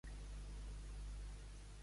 Quan es va fer més famosa?